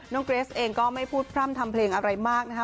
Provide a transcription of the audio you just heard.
เกรสเองก็ไม่พูดพร่ำทำเพลงอะไรมากนะคะ